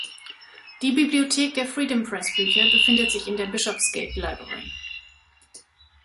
Die Bibliothek der Freedom-Press-Bücher befindet sich in der "Bishopsgate Library".